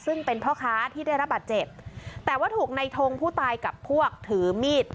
ซึ่งเป็นพ่อค้าที่ได้รับบาดเจ็บแต่ว่าถูกในทงผู้ตายกับพวกถือมีด